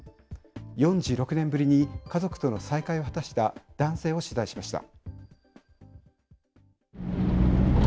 ４６年ぶりに家族との再会を果たした男性を取材しました。